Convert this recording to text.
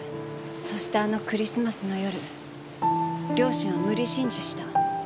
そしてあのクリスマスの夜両親は無理心中した。